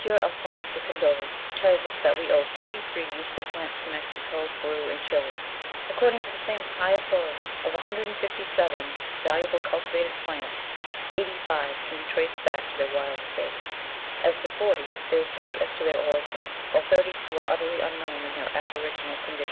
Alphonse de Candolle tells us that we owe 33 useful plants to Mexico, Peru, and Chili. According to the same high authority, of 157 valuable cultivated plants 85 can be traced back to their wild state; as to 40, there is doubt as to their origin; while 32 are utterly unknown in their aboriginal condition.